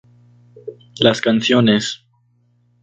Las canciones.